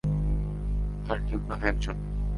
আর Duke নামে একজন।